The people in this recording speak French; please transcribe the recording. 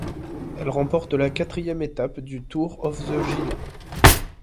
Elle remporte la quatrième étape du Tour of the Gila.